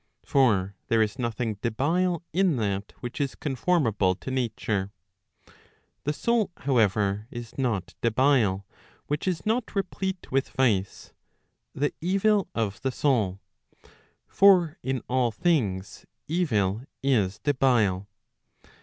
For there is nothing debile in that which is conformable to nature. The soul, however, is not debile, which is not replete with vice, [the evil of the soul]; for in all things evil is debile.